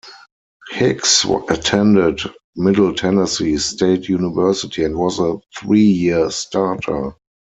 Hicks attended Middle Tennessee State University and was a three-year starter.